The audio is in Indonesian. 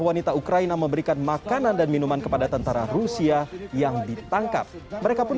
wanita ukraina memberikan makanan dan minuman kepada tentara rusia yang ditangkap mereka pun